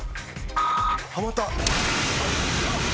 はまった。